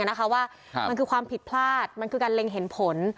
มันคือความผิดพลาดมันคือการเล็งเห็นผล